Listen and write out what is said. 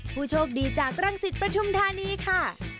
ผู้โชคดีจากรังสิตประทุมธานีค่ะ